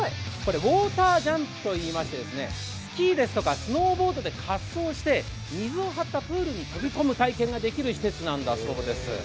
ウォータージャンプといいましてスキーですとかスノーボードで滑走して水を張ったプールに飛び込む体験をできる施設なんだそうです。